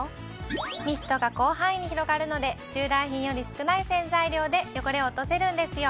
ミストが広範囲に広がるので従来品より少ない洗剤量で汚れを落とせるんですよ。